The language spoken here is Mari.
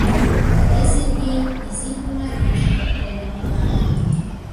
Тыге Сергей Изи Пумарийышке толын пура.